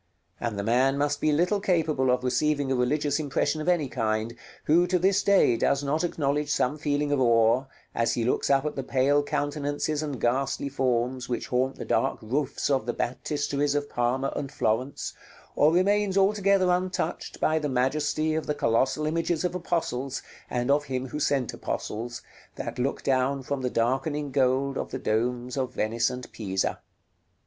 And the man must be little capable of receiving a religious impression of any kind, who, to this day, does not acknowledge some feeling of awe, as he looks up at the pale countenances and ghastly forms which haunt the dark roofs of the Baptisteries of Parma and Florence, or remains altogether untouched by the majesty of the colossal images of apostles, and of Him who sent apostles, that look down from the darkening gold of the domes of Venice and Pisa.